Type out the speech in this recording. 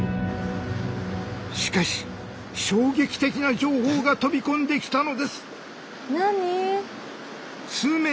しかし衝撃的な情報が飛び込んできたのです。